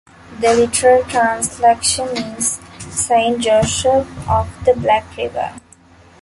The literal translation is "Saint Joseph of the Black River".